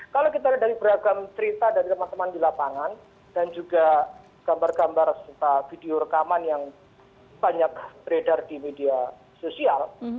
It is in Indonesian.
kalau kita lihat dari beragam cerita dari teman teman di lapangan dan juga gambar gambar serta video rekaman yang banyak beredar di media sosial